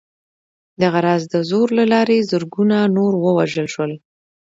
دغه راز د زور له لارې زرګونه نور ووژل شول